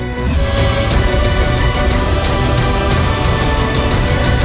โปรดติดต่อไป